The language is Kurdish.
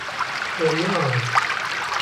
We neavêt.